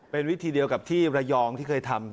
เป็นวิธีเดียวกับที่ระยองที่เคยทำ